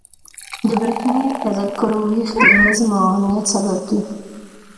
د بریښنایي تذکرو ویش د نظم او امنیت سبب دی.